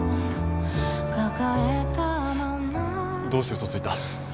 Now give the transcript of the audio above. どうして嘘をついた？